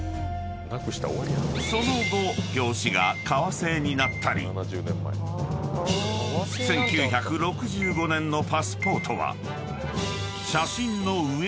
［その後表紙が革製になったり１９６５年のパスポートは］